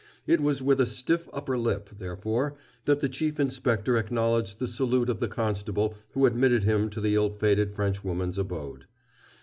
It was with a stiff upper lip, therefore, that the Chief Inspector acknowledged the salute of the constable who admitted him to the ill fated Frenchwoman's abode.